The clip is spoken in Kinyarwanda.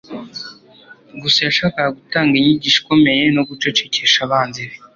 gusa yashakaga gutanga inyigisho ikomeye no gucecekesha abanzi be